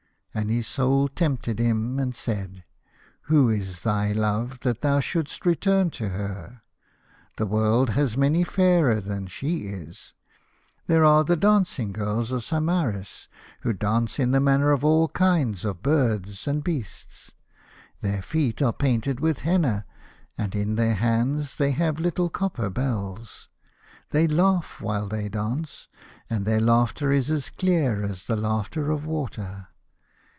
And his Soul tempted him and said, " Who is thy love that thou should'st return to her ? The world has many fairer than she is. There are the dancing girls of Samaris who dance in the manner of all kinds of birds and beasts. Their feet are painted with henna, and in their hands they have little copper bells. They laugh while they dance, and their laughter is as clear as the laughter of water.